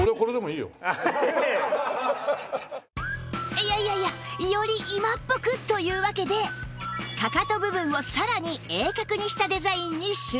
いやいやいやより今っぽくというわけでかかと部分をさらに鋭角にしたデザインに修正